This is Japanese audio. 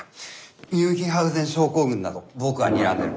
ミュンヒハウゼン症候群だと僕はにらんでる。